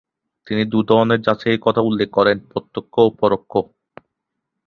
তিনি দু’ধরনের যাচাইয়ের কথা উল্লেখ করেন: প্রত্যক্ষ ও পরোক্ষ।